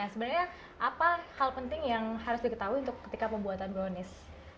sebenarnya apa hal penting yang harus diketahui ketika pembuatan brownies